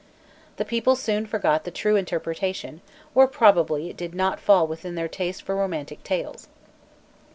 The people soon forgot the true interpretation, or probably it did not fall in with their taste for romantic tales.